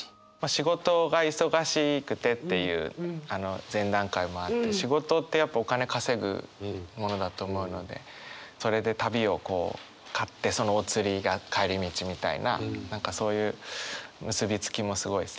仕事が忙しくてっていう前段階もあって仕事ってやっぱお金稼ぐものだと思うのでそれで旅をこう買ってそのお釣りが帰り道みたいな何かそういう結び付きもすごいすてきだなと思ったりしました。